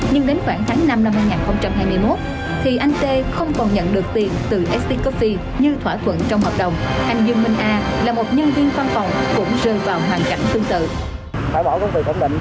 nhưng đến khoảng tháng năm năm hai nghìn hai mươi một thì anh tê không còn nhận được tiền